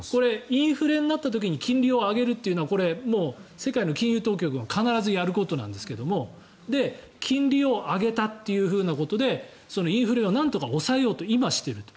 インフレになった時に金利を上げるというのはこれ、世界の金融当局が必ずやることなんですが金利を上げたっていうことでインフレをなんとか抑えようと今、していると。